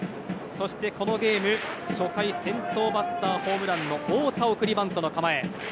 そしてこのゲーム、初回先頭バッターホームランの太田は送りバントの構え。